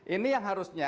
ini yang harusnya